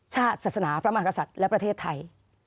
ชาติศาสนาพระมหากษัตริย์และประเทศไทย